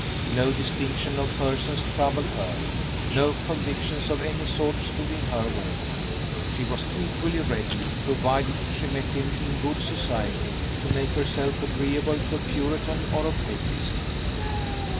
No distinction of persons troubled her; no convictions of any sort stood in her way. She was equally ready (provided she met him in good society) to make herself agreeable to a Puritan or a Papist.